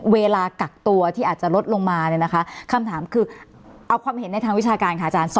มีผลแค่ไหนคะ